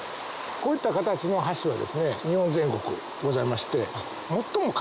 こういった形の橋はですね日本全国ございまして。